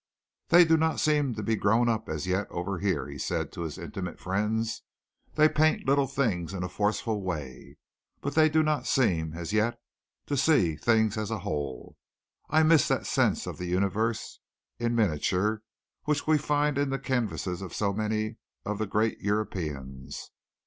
"They do not seem to be grown up as yet over here," he said to his intimate friends. "They paint little things in a forceful way, but they do not seem as yet to see things as a whole. I miss that sense of the universe in miniature which we find in the canvases of so many of the great Europeans.